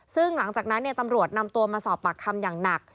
ซึ่งหลังจากนั้นตำรวจนำตัวมาสอบปากคำอย่างหนัก